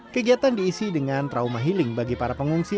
kegiatan diisi dengan trauma healing bagi para pengungsi